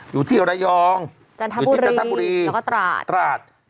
อยู่ที่ระยองอยู่ที่จันทบุรีแล้วก็ตราดตราด